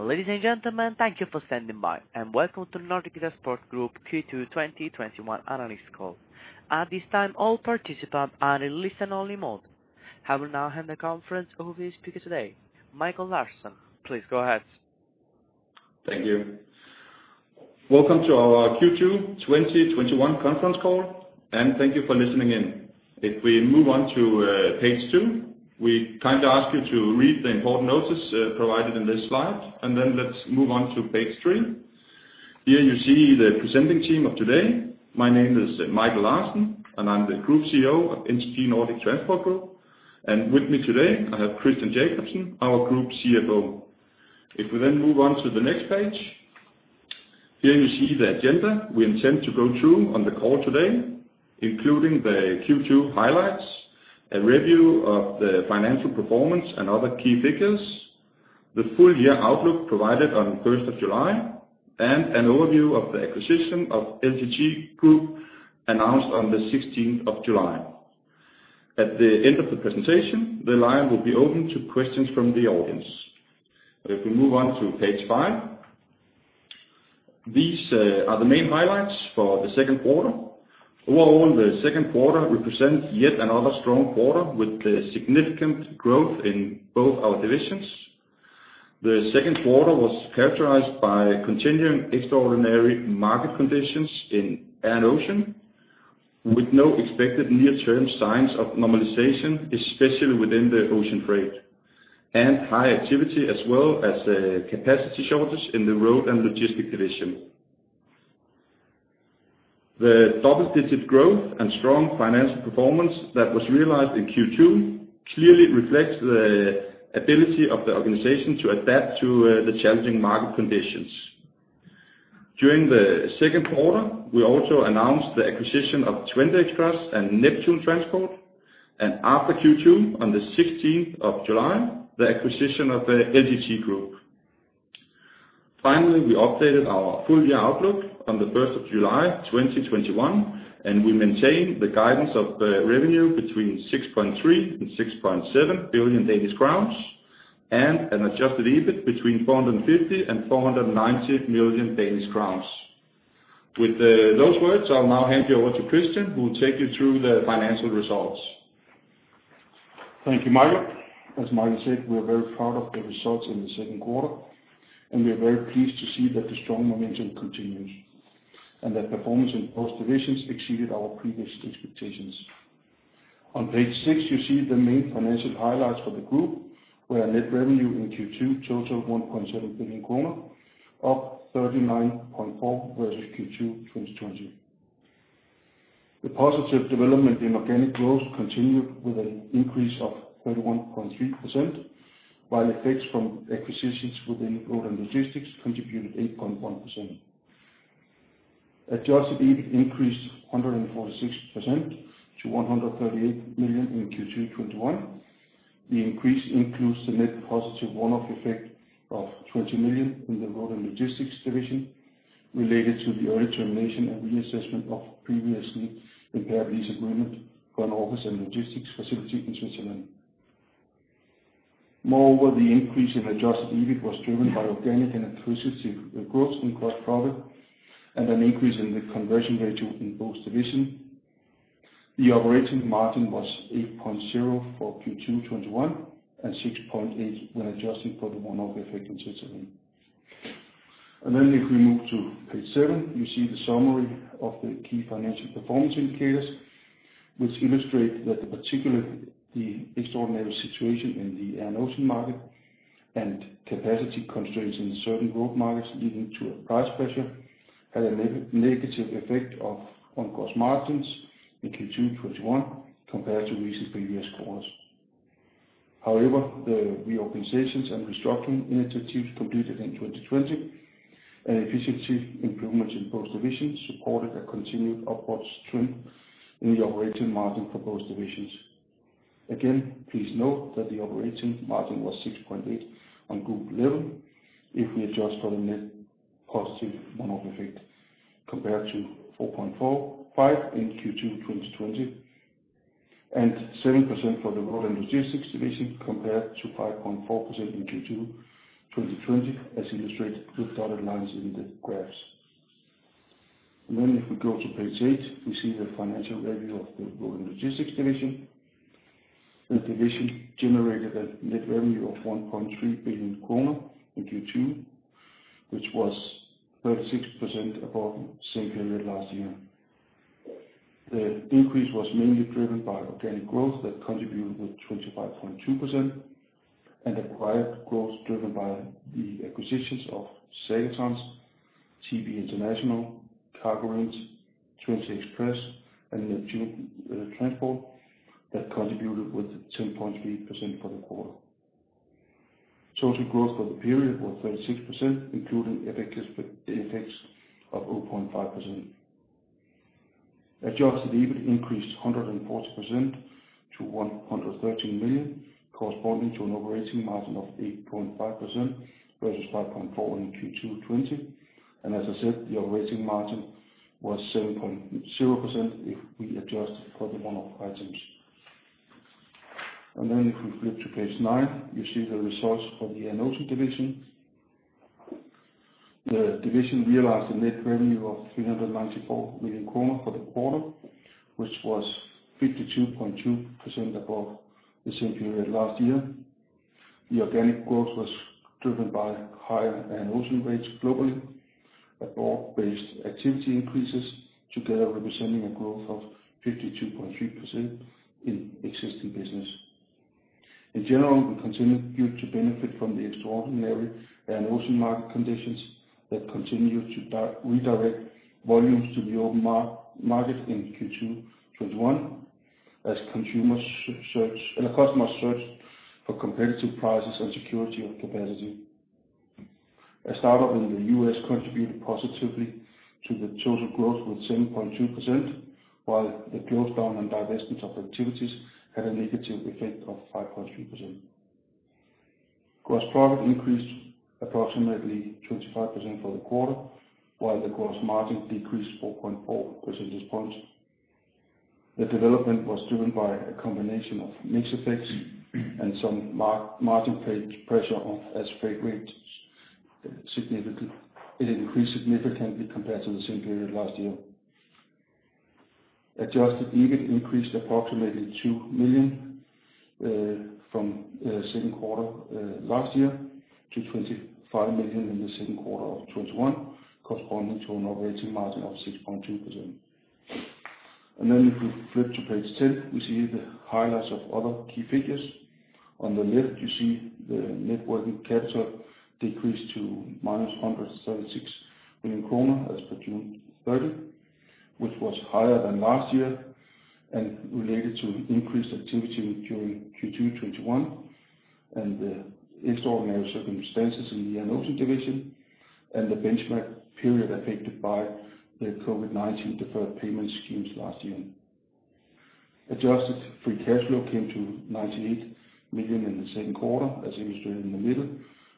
Ladies and gentlemen, thank you for standing by, and welcome to the Nordic Transport Group Q2 2021 analyst call. At this time, all participants are in listen only mode. I will now hand the conference over to the speaker today, Michael Larsen. Please go ahead. Thank you. Welcome to our Q2 2021 conference call, and thank you for listening in. If we move on to page two, we kindly ask you to read the important notice provided in this slide, and then let's move on to page three. Here you see the presenting team of today. My name is Michael Larsen, and I'm the Group CEO of NTG Nordic Transport Group. With me today, I have Christian Jakobsen, our Group CFO. If we then move on to the next page. Here you see the agenda we intend to go through on the call today, including the Q2 highlights, a review of the financial performance and other key figures, the full year outlook provided on the 1st of July, and an overview of the acquisition of LTG Group announced on the 16th of July. At the end of the presentation, the line will be open to questions from the audience. Move on to page five. These are the main highlights for the second quarter. Overall, the second quarter represents yet another strong quarter, with significant growth in both our divisions. The second quarter was characterized by continuing extraordinary market conditions in Air & Ocean, with no expected near term signs of normalization, especially within the ocean freight, and high activity as well as a capacity shortage in the Road & Logistics division. The double-digit growth and strong financial performance that was realized in Q2 clearly reflects the ability of the organization to adapt to the challenging market conditions. During the second quarter, we also announced the acquisition of Twente Express and Neptun Transport, and after Q2 on the 16th of July, the acquisition of the NTG Group. Finally, we updated our full year outlook on the 1st of July 2021. We maintain the guidance of the revenue between 6.3 billion-6.7 billion Danish crowns, and an adjusted EBIT between 450 million-490 million Danish crowns. With those words, I'll now hand you over to Christian, who will take you through the financial results. Thank you, Michael. As Michael said, we're very proud of the results in the second quarter, and we are very pleased to see that the strong momentum continues, and that performance in both divisions exceeded our previous expectations. On page six, you see the main financial highlights for the group, where net revenue in Q2 totaled 1.7 billion kroner, up 39.4% versus Q2 2020. The positive development in organic growth continued with an increase of 31.3%, while effects from acquisitions within Road & Logistics contributed 8.1%. Adjusted EBIT increased 146% to 138 million in Q2 2021. The increase includes the net positive one-off effect of 20 million in the Road & Logistics division related to the early termination and reassessment of previously prepared lease agreement for an office and logistics facility in Switzerland. Moreover, the increase in adjusted EBIT was driven by organic and acquisitive growth in gross profit and an increase in the conversion ratio in both divisions. The operating margin was 8.0% for Q2 2021 and 6.8% when adjusting for the one-off effect in Switzerland. If we move to page seven, you see the summary of the key financial performance indicators, which illustrate that the extraordinary situation in the Air & Ocean market and capacity constraints in certain growth markets leading to a price pressure, had a negative effect on gross margins in Q2 2021 compared to recent previous quarters. However, the reorganizations and restructuring initiatives completed in 2020 and efficiency improvements in both divisions supported a continued upwards trend in the operating margin for both divisions. Again, please note that the operating margin was 6.8% on group level if we adjust for the net positive one-off effect compared to 4.5% in Q2 2020, and 7% for the Road & Logistics division compared to 5.4% in Q2 2020, as illustrated with dotted lines in the graphs. If we go to page eight, we see the financial review of the Road & Logistics division. The division generated a net revenue of 1.3 billion kroner in Q2, which was 36% above same period last year. The increase was mainly driven by organic growth that contributed with 25.2% and acquired growth driven by the acquisitions of Saga Trans, TB International, Cargorange, Twente Express, and Neptun Transport that contributed with 10.3% for the quarter. Total growth for the period was 36%, including effects of 0.5%. Adjusted EBIT increased 140% to 113 million, corresponding to an operating margin of 8.5% versus 5.4% in Q2 2020. As I said, the operating margin was 7.0% if we adjust for the one-off items. Then if we flip to page nine, you see the results for the Air & Ocean division. The division realized a net revenue of 394 million kroner for the quarter, which was 52.2% above the same period last year. The organic growth was driven by higher Air & Ocean rates globally, and off-base activity increases, together representing a growth of 52.3% in existing business. In general, we continue to benefit from the extraordinary Air & Ocean market conditions that continued to redirect volumes to the open market in Q2 2021, as customers search for competitive prices and security of capacity. A startup in the U.S. contributed positively to the total growth with 7.2%, while the closed down and divestment of activities had a negative effect of 5.3%. Gross profit increased approximately 25% for the quarter, while the gross margin decreased 4.4 percentage points. The development was driven by a combination of mix effects and some margin pressure as freight rates increased significantly compared to the same period last year. Adjusted EBIT increased approximately 2 million from the second quarter last year to 25 million in the second quarter of 2021, corresponding to an operating margin of 6.2%. If we flip to page 10, we see the highlights of other key figures. On the left, you see the net working capital decreased to -136 million kroner as per June 30, which was higher than last year, and related to increased activity during Q2 2021, and the extraordinary circumstances in the Air & Ocean division, and the benchmark period affected by the COVID-19 deferred payment schemes last year. Adjusted free cash flow came to 98 million in the second quarter, as illustrated in the middle,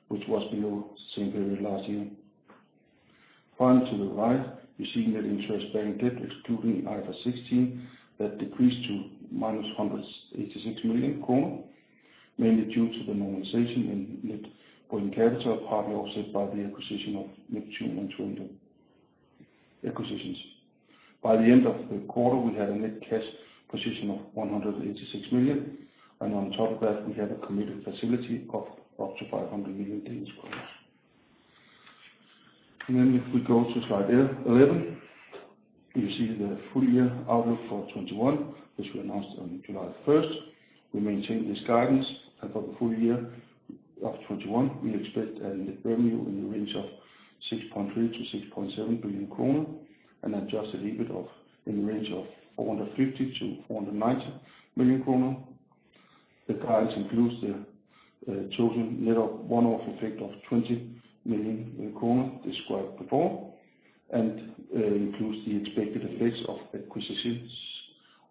which was below the same period last year. Final to the right, you see net interest-bearing debt excluding IFRS 16, that decreased to -186 million kroner, mainly due to the normalization in net working capital, partly offset by the acquisition of Neptun and Twente acquisitions. By the end of the quarter, we had a net cash position of 186 million, and on top of that, we had a committed facility of up to DKK 500 million. If we go to slide 11, you see the full-year outlook for 2021, which we announced on July 1st. We maintain this guidance, and for the full year of 2021, we expect a net revenue in the range of 6.3 billion-6.7 billion kroner and adjusted EBIT in the range of 450 million-490 million kroner. The guidance includes the chosen net of one-off effect of 20 million kroner described before, and includes the expected effects of acquisitions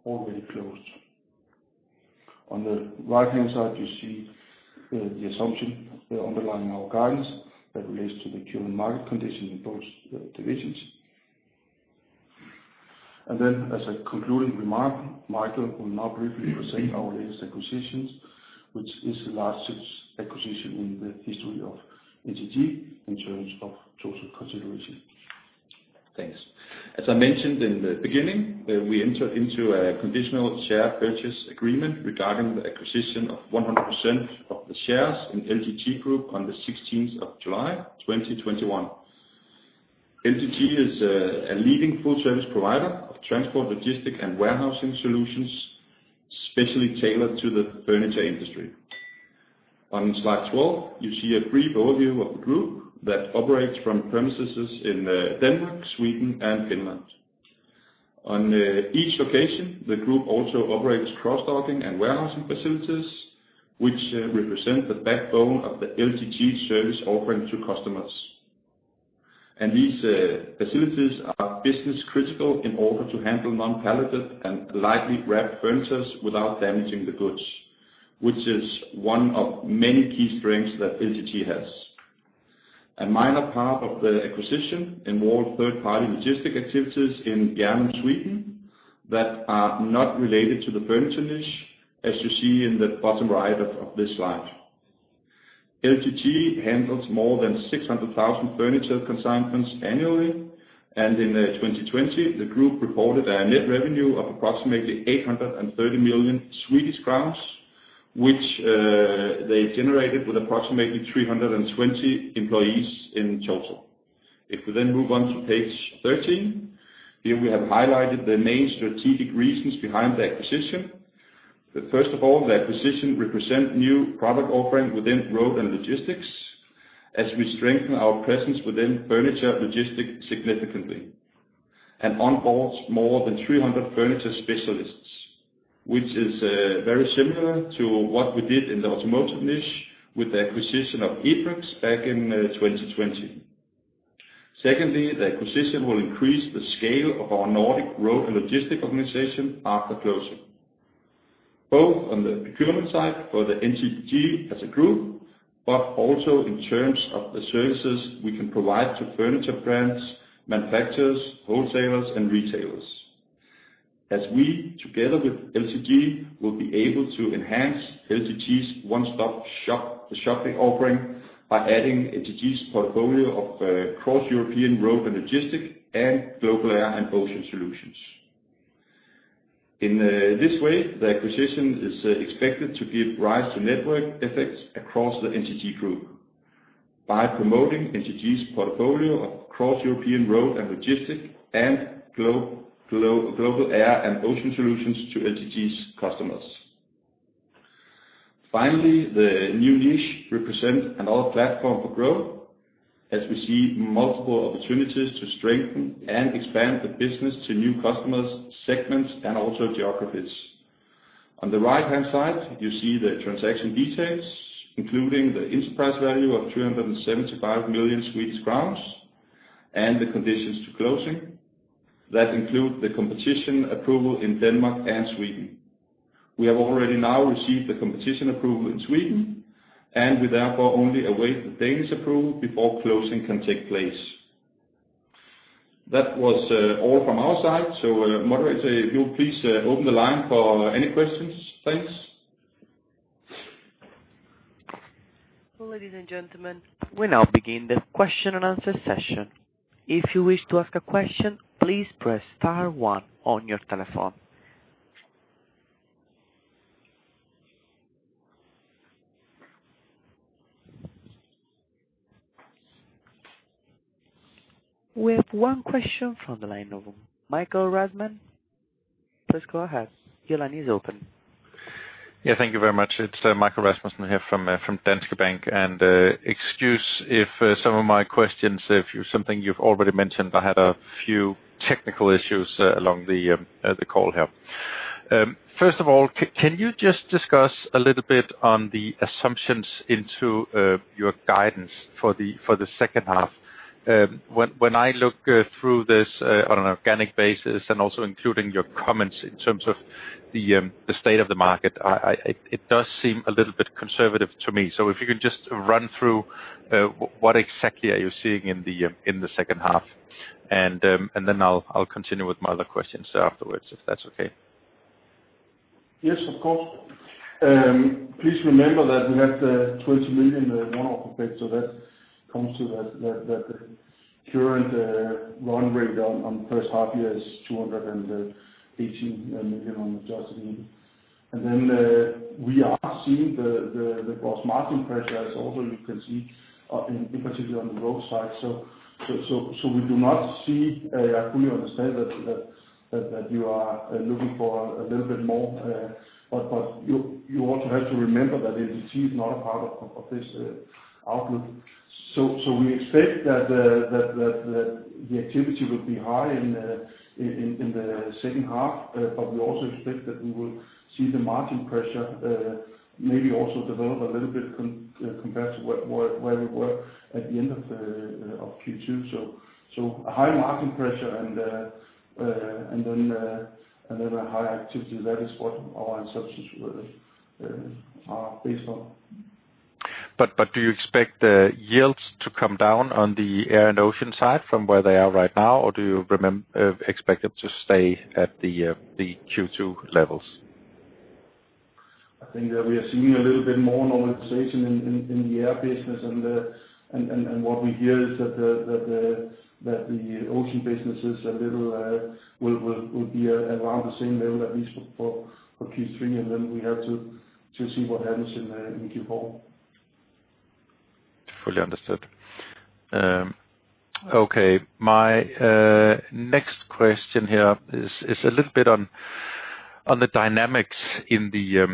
already closed. On the right-hand side, you see the assumption underlying our guidance that relates to the current market condition in both divisions. As a concluding remark, Michael will now briefly present our latest acquisitions, which is the largest acquisition in the history of NTG in terms of total consideration. Thanks. As I mentioned in the beginning, we entered into a conditional share purchase agreement regarding the acquisition of 100% of the shares in LGT Group on the 16th of July 2021. LGT is a leading full-service provider of transport, logistics, and warehousing solutions, specially tailored to the furniture industry. On slide 12, you see a brief overview of the group that operates from premises in Denmark, Sweden, and Finland. On each location, the group also operates cross-docking and warehousing facilities, which represent the backbone of the LGT service offering to customers. These facilities are business-critical in order to handle non-palleted and lightly wrapped furniture without damaging the goods, which is one of many key strengths that LGT has. A minor part of the acquisition involve third-party logistics activities in Malmö, Sweden that are not related to the furniture niche, as you see in the bottom right of this slide. LGT handles more than 600,000 furniture consignments annually, and in 2020, the group reported a net revenue of approximately 830 million Swedish crowns, which they generated with approximately 320 employees in total. If we move on to page 13, here we have highlighted the main strategic reasons behind the acquisition. First of all, the acquisition represent new product offering within Road & Logistics, as we strengthen our presence within furniture logistics significantly and onboard more than 300 furniture specialists, which is very similar to what we did in the automotive niche with the acquisition of Ebrex back in 2020. Secondly, the acquisition will increase the scale of our Nordic Road & Logistics organization after closing, both on the procurement side for the NTG as a group. Also in terms of the services we can provide to furniture brands, manufacturers, wholesalers, and retailers. As we, together with LGT, will be able to enhance LGT's one-stop shopping offering by adding NTG's portfolio of cross-European Road & Logistics, and global Air & Ocean solutions. In this way, the acquisition is expected to give rise to network effects across the NTG group by promoting NTG's portfolio of cross-European Road & Logistics, and global Air & Ocean solutions to NTG's customers. Finally, the new niche represents another platform for growth as we see multiple opportunities to strengthen and expand the business to new customers, segments, and also geographies. On the right-hand side, you see the transaction details, including the enterprise value of 375 million Swedish crowns and the conditions to closing. That include the competition approval in Denmark and Sweden. We have already now received the competition approval in Sweden, and we therefore only await the Danish approval before closing can take place. That was all from our side. Moderator, if you'll please open the line for any questions. Thanks. Ladies and gentlemen, we now begin the question and answer session. If you wish to ask a question, please press star one on your telephone. We have one question from the line of Michael Rasmussen. Please go ahead. Your line is open. Yeah, thank you very much. It's Michael Rasmussen here from Danske Bank, and excuse if some of my questions are something you've already mentioned. I had a few technical issues along the call here. First of all, can you just discuss a little bit on the assumptions into your guidance for the second half? When I look through this on an organic basis and also including your comments in terms of the state of the market, it does seem a little bit conservative to me. If you can just run through what exactly are you seeing in the second half, and then I'll continue with my other questions afterwards, if that's okay. Yes, of course. Please remember that we have the 20 million one-off effect, so that comes to that current run rate on first half-year is 218 million on adjusted. We are seeing the gross margin pressure as also you can see in particular on the Road side. We do not see, I fully understand that you are looking for a little bit more, but you also have to remember that LGT is not a part of this outlook. We expect that the activity will be high in the second half-year, but we also expect that we will see the margin pressure maybe also develop a little bit compared to where we were at the end of Q2. A high margin pressure and then a high activity. That is what our assumptions really are based on. Do you expect the yields to come down on the Air & Ocean side from where they are right now? Do you expect them to stay at the Q2 levels? I think that we are seeing a little bit more normalization in the air business, and what we hear is that the ocean business will be around the same level, at least for Q3, and then we have to see what happens in Q4. Fully understood. Okay. My next question here is a little bit on the dynamics in the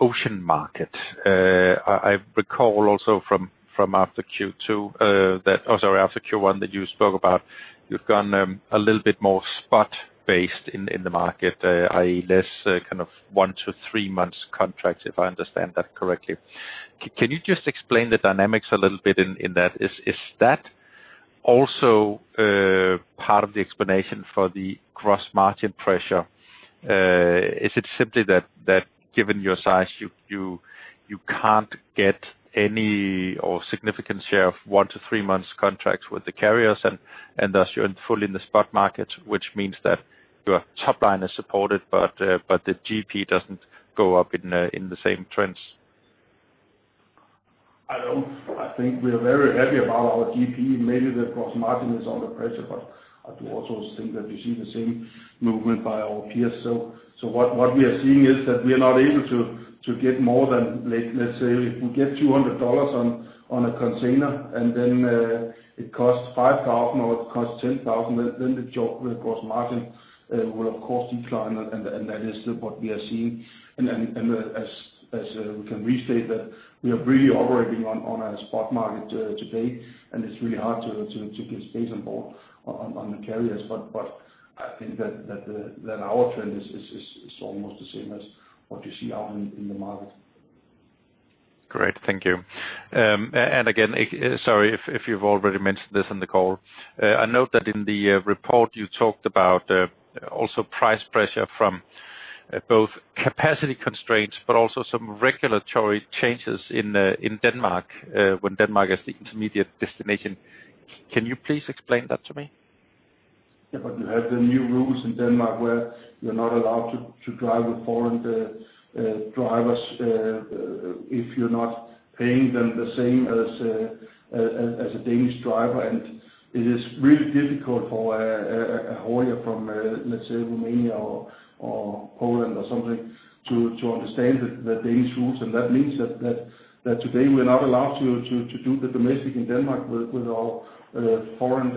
ocean market. I recall also from after Q2. After Q1 that you spoke about, you've gone a little bit more spot-based in the market, i.e. less one to three months contracts, if I understand that correctly. Can you just explain the dynamics a little bit in that? Is that also part of the explanation for the gross margin pressure? Is it simply that given your size, you can't get any or significant share of one to three months contracts with the carriers and thus you're fully in the spot market, which means that your top line is supported but the GP doesn't go up in the same trends? I think we are very happy about our GP. Maybe the gross margin is under pressure, I do also think that we see the same movement by our peers. What we are seeing is that we are not able to get more than, let's say, if we get $200 on a container and then it costs $5,000 or it costs $10,000, then the gross margin will of course decline and that is what we are seeing. As we can restate that we are really operating on a spot market today, and it's really hard to get space on board on the carriers. I think that our trend is almost the same as what you see out in the market. Great. Thank you. Again, sorry if you've already mentioned this on the call. I note that in the report you talked about also price pressure from both capacity constraints, but also some regulatory changes in Denmark when Denmark is the intermediate destination. Can you please explain that to me? You have the new rules in Denmark where you're not allowed to drive with foreign drivers if you're not paying them the same as a Danish driver. It is really difficult for a haulier from, let's say, Romania or Poland or something, to understand the Danish rules. That means that today we're not allowed to do the domestic in Denmark with our foreign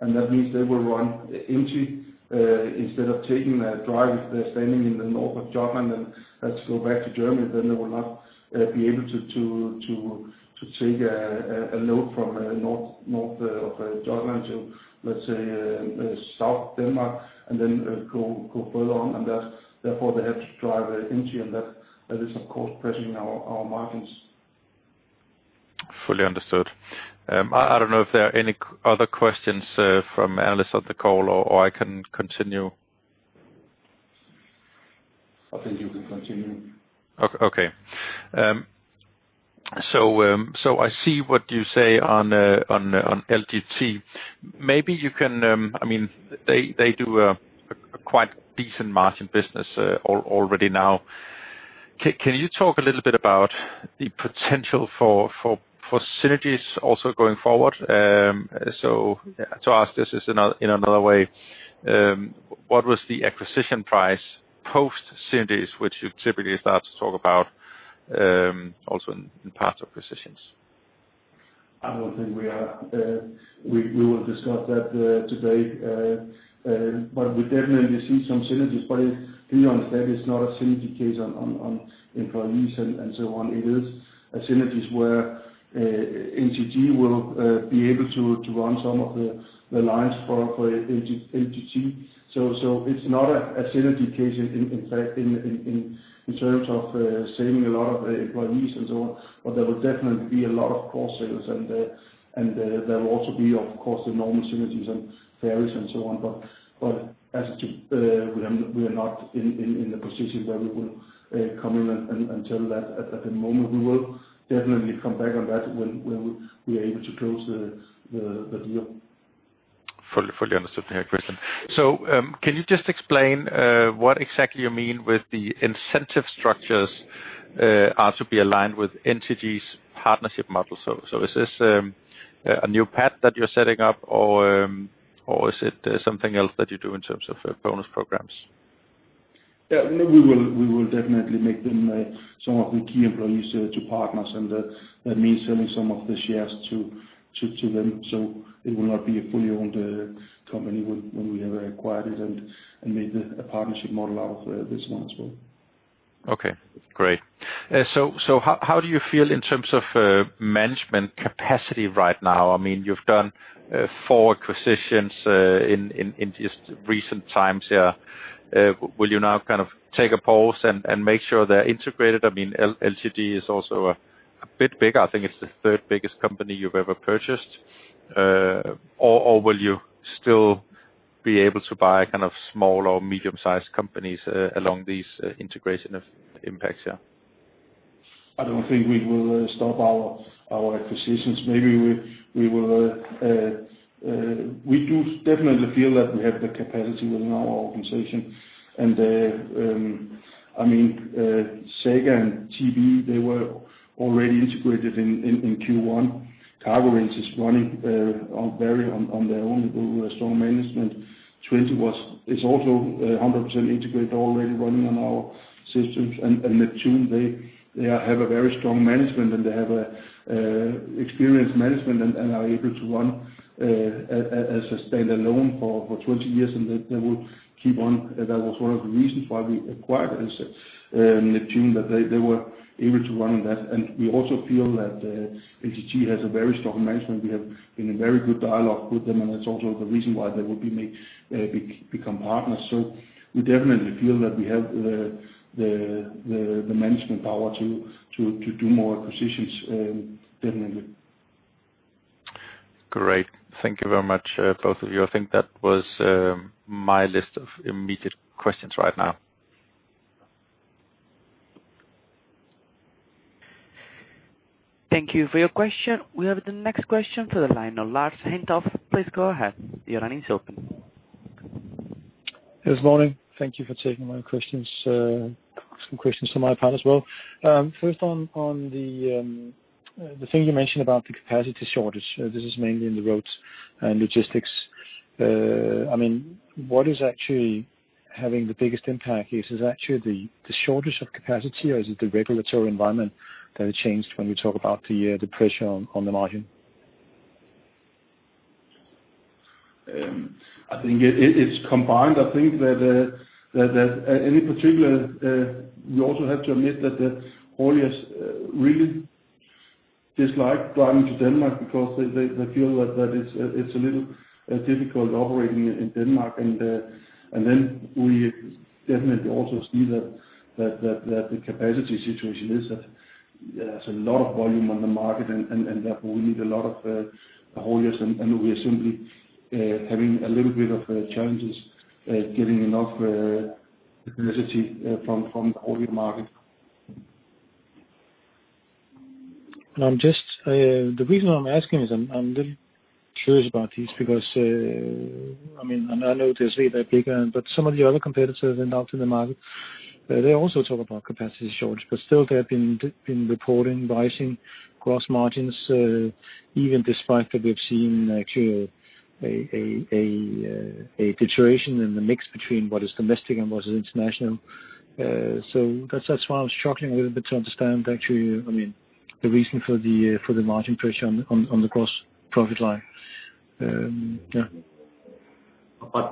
hauliers. That means they will run empty instead of taking a drive. If they're standing in the north of Jutland and have to go back to Germany, then they will not be able to take a load from the north of Jutland to, let's say, south Denmark and then go further on. Therefore, they have to drive empty. That is, of course, pressing our margins. Fully understood. I don't know if there are any other questions from analysts on the call, or I can continue. I think you can continue. I see what you say on LGT. They do a quite decent margin business already now. Can you talk a little bit about the potential for synergies also going forward? To ask this in another way, what was the acquisition price post-synergies, which you typically start to talk about also in part of acquisitions? I don't think we will discuss that today. We definitely see some synergies. To be honest, that is not a synergy case on employees and so on. It is a synergies where NTG will be able to run some of the lines for NTG. It's not a synergy case in terms of saving a lot of employees and so on, but there will definitely be a lot of cost savings and there will also be, of course, the normal synergies and ferries and so on. We are not in the position where we will come in and tell that at the moment. We will definitely come back on that when we are able to close the deal. Fully understood the question. Can you just explain what exactly you mean with the incentive structures are to be aligned with NTG's Partnership Model? Is this a new path that you're setting up, or is it something else that you do in terms of bonus programs? Yeah, we will definitely make some of the key employees to partners, and that means selling some of the shares to them. It will not be a fully owned company when we have acquired it and made a Partnership Model out of this one as well. Okay, great. How do you feel in terms of management capacity right now? You've done four acquisitions in just recent times here. Will you now take a pause and make sure they're integrated? LGT is also a bit bigger. I think it's the third biggest company you've ever purchased. Will you still be able to buy small or medium-sized companies along these integration impacts, yeah? I don't think we will stop our acquisitions. We do definitely feel that we have the capacity within our organization. Saga and TB, they were already integrated in Q1. Cargorange is running very on their own, with strong management. Twente is also 100% integrated, already running on our systems. Neptun, they have a very strong management, and they have experienced management and are able to run as a standalone for 20 years, and they will keep on. That was one of the reasons why we acquired Neptun, that they were able to run on that. We also feel that NTG has a very strong management. We have been in very good dialogue with them, and that's also the reason why they will become partners. We definitely feel that we have the management power to do more acquisitions, definitely. Great. Thank you very much, both of you. I think that was my list of immediate questions right now. Thank you for your question. We have the next question to the line of Lars Heindorff. Please go ahead. Your line is open. Yes, morning. Thank you for taking my questions. Some questions to my part as well. First, on the thing you mentioned about the capacity shortage, this is mainly in the Road & Logistics. What is actually having the biggest impact? Is this actually the shortage of capacity, or is it the regulatory environment that changed when we talk about the pressure on the margin? I think it's combined. I think that in particular, we also have to admit that the hauliers really dislike driving to Denmark because they feel that it's a little difficult operating in Denmark. We definitely also see that the capacity situation is that there's a lot of volume on the market, and therefore, we need a lot of hauliers, and we are simply having a little bit of challenges getting enough capacity from the haulier market. The reason why I'm asking is I'm a little curious about this because, I know they're bigger, but some of the other competitors in out in the market, they also talk about capacity shortage, but still, they have been reporting rising gross margins, even despite that we've seen actually a deterioration in the mix between what is domestic and what is international. That's why I was struggling a little bit to understand actually the reason for the margin pressure on the gross profit line. Yeah.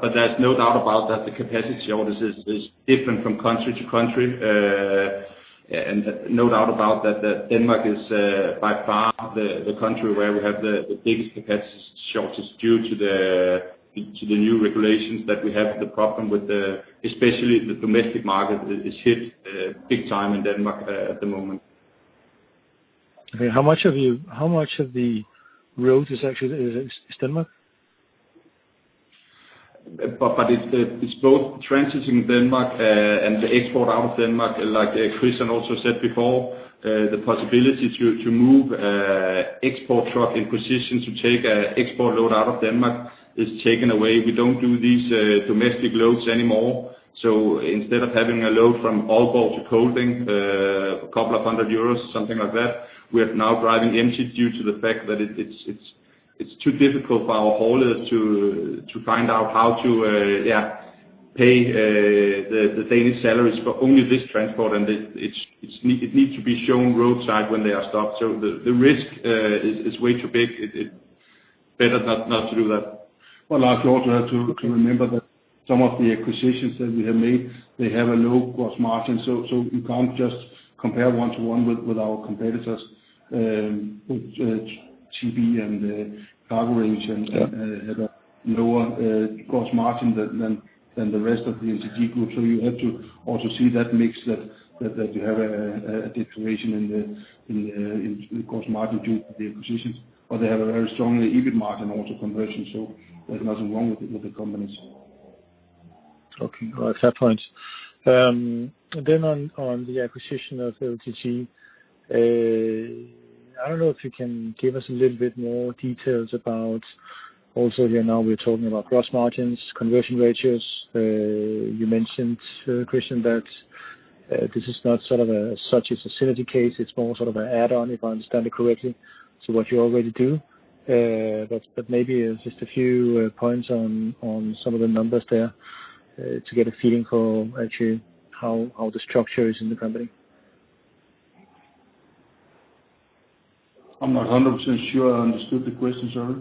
There's no doubt about that the capacity all this is different from country to country. No doubt about that Denmark is by far the country where we have the biggest capacity shortage due to the new regulations that we have the problem with, especially the domestic market, is hit big time in Denmark at the moment. Okay. How much of the road is actually Denmark? It's both transiting Denmark, and the export out of Denmark, like Christian also said before, the possibility to move export truck in position to take export load out of Denmark is taken away. We don't do these domestic loads anymore. Instead of having a load from Aalborg to Kolding, a couple of hundred euros, something like that, we are now driving empty due to the fact that it's too difficult for our hauliers to find out how to pay the Danish salaries for only this transport. It needs to be shown roadside when they are stopped. The risk is way too big. Better not to do that. I also have to remember that some of the acquisitions that we have made, they have a low gross margin. You can't just compare one-to-one with our competitors, with TB and Cargorange and have a lower gross margin than the rest of the NTG Group. You have to also see that mix that you have a deterioration in the gross margin due to the acquisitions. They have a very strong EBIT margin also conversion, there's nothing wrong with the companies. Okay. All right. Fair point. On the acquisition of LGT, I don't know if you can give us a little bit more details about also here now we're talking about gross margins, conversion ratios. You mentioned, Christian, that this is not sort of a such a synergy case, it's more sort of an add-on, if I understand it correctly, to what you already do. Maybe just a few points on some of the numbers there to get a feeling for actually how the structure is in the company? I'm not 100% sure I understood the question, sorry.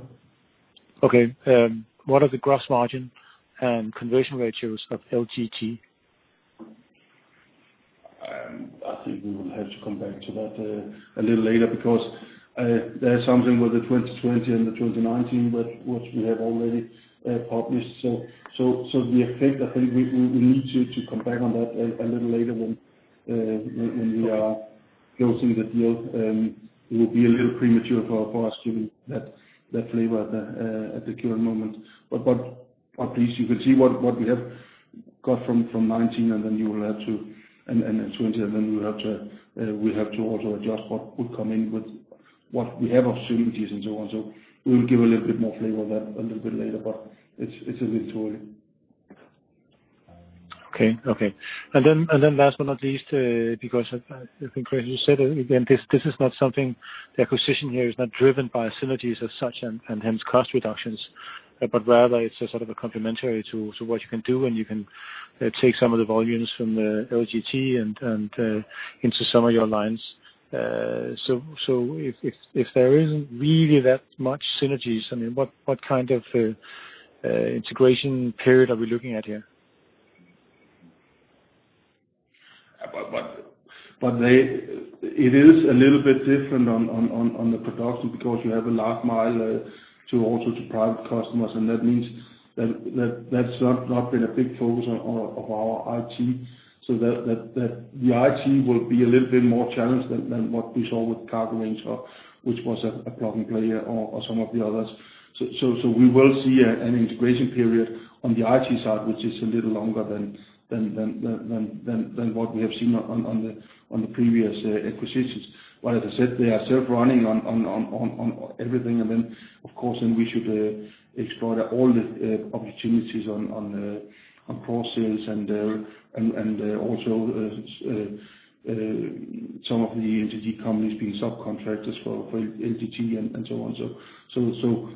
Okay. What are the gross margin and conversion ratios of LGT? I think we will have to come back to that a little later because there is something with the 2020 and the 2019, which we have already published. The effect, I think we need to come back on that a little later when we are closing the deal. It will be a little premature for us to give that flavor at the current moment. At least you can see what we have got from 2019, then you will have to in 2020, and then we have to also adjust what would come in with what we have of synergies and so on. We'll give a little bit more flavor on that a little bit later, it's a bit too early. Okay. Last but not least, because I think Christian said, again, this is not something, the acquisition here is not driven by synergies as such and hence cost reductions, but rather it's a sort of a complementary to what you can do, and you can take some of the volumes from the LGT and into some of your lines. If there isn't really that much synergies, what kind of integration period are we looking at here? It is a little bit different on the production because you have a last mile to also to private customers, and that means that's not been a big focus of our IT. The IT will be a little bit more challenged than what we saw with Cargorange, which was a plug and play or some of the others. We will see an integration period on the IT side, which is a little longer than what we have seen on the previous acquisitions. As I said, they are self-running on everything. Of course, and we should explore all the opportunities on cross sales and also some of the NTG companies being subcontractors for LGT and so on.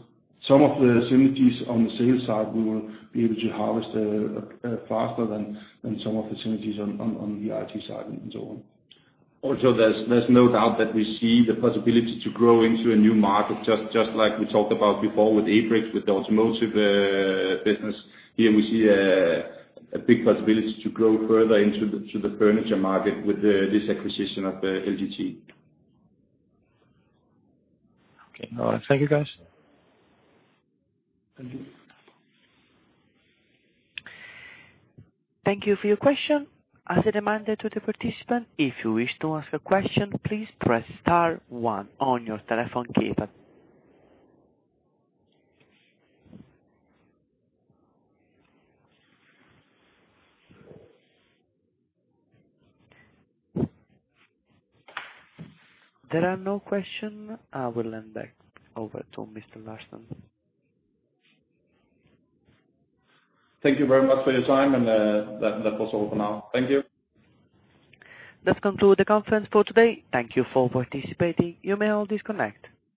Some of the synergies on the sales side, we will be able to harvest faster than some of the synergies on the IT side and so on. There's no doubt that we see the possibility to grow into a new market, just like we talked about before with Ebrex, with the automotive business. Here we see a big possibility to grow further into the furniture market with this acquisition of LGT. Okay. All right. Thank you, guys. Thank you. Thank you for your question. As a reminder to the participant, if you wish to ask a question, please press star one on your telephone keypad. There are no question. I will hand back over to Mr. Larsen. Thank you very much for your time, and that was all for now. Thank you. That concludes the conference for today. Thank you for participating. You may all disconnect.